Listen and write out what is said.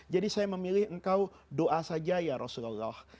saya memilih engkau doa saja ya rasulullah